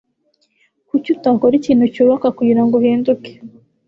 Kuki utakora ikintu cyubaka kugirango uhinduke?